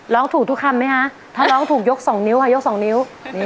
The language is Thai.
ร้องถูกทุกคำไหมคะถ้าร้องถูกยก๒นิ้วค่ะยกสองนิ้ว